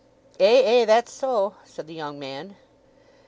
"Ay, ay; that's so," said the young man.